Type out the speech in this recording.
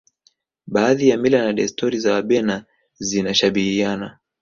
baadhi ya mila na desturi za wabena zinashabihiana